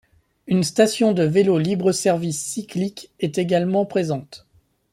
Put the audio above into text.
Une station de vélo libre service Cy'clic est également présente.